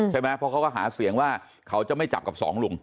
ใช่ไหมเพราะเขาก็หาเสียงว่าเขาจะไม่จับกับสองลุง